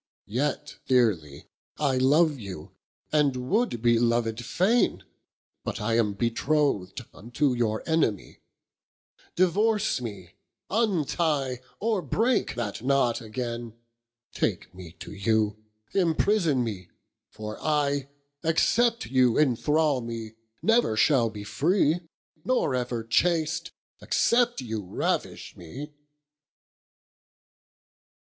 Yet dearely I love you, and would be loved faine, But am betroth'd unto your enemie: Divorce mee, untie, or breake that knot againe, Take mee to you, imprison mee, for I Except you enthrall mee, never shall be free, Nor ever chast, except you ravish mee.